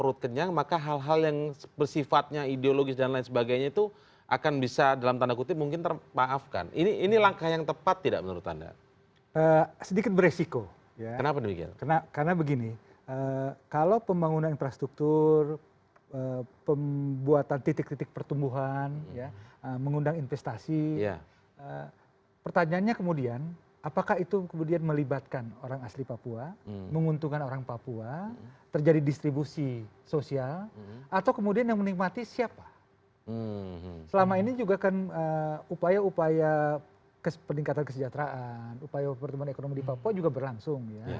upaya upaya peningkatan kesejahteraan upaya pertumbuhan ekonomi di papua juga berlangsung